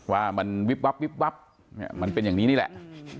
ว่ามันวิบวับวิบวับมันเป็นอย่างนี้นี่แหละ